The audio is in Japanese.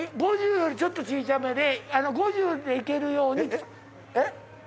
５０よりちょっとちいちゃめで５０でいけるようにえっ？